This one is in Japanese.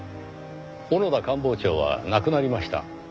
小野田官房長は亡くなりました。